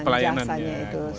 iya pelayanannya itu